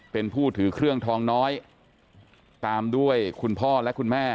เป็นผู้ถือเครื่องทองน้อยตามด้วยคุณพ่อและคุณแม่